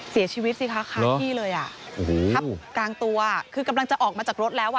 สิคะคาที่เลยอ่ะโอ้โหทับกลางตัวคือกำลังจะออกมาจากรถแล้วอ่ะ